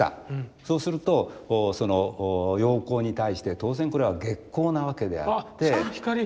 そうすると陽光に対して当然これは月光なわけであって。